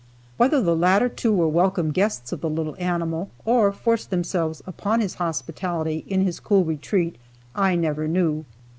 Whether the latter two were welcome guests of the little animal, or forced themselves upon his hospitality, in his cool retreat, I never knew.